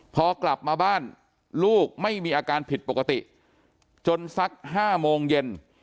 พอกลับมาบ้านลูกไม่มีอาการผิดปกติจนสัก๕โมงเย็น